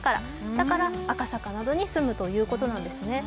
だから赤坂などに住むということなんですね。